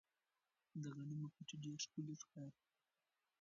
د غنمو پټي ډېر ښکلي ښکاري.